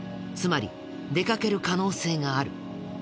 つまり出かける可能性がある。